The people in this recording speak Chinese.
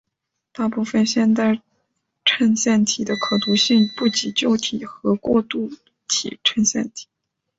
大部分现代衬线体的可读性不及旧体和过渡体衬线体。